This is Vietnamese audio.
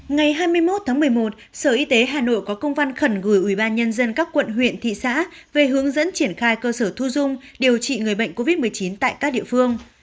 ngày hai mươi một tháng một mươi một sở y tế hà nội có công văn khẩn gửi ubnd các quận huyện thị xã về hướng dẫn triển khai cơ sở thu dung điều trị người bệnh covid một mươi chín tại các địa phương